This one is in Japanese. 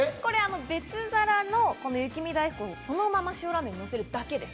別皿の雪見だいふくをそのまま塩ラーメンにのせるだけです。